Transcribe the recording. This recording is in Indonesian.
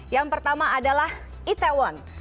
yang pertama adalah itaewon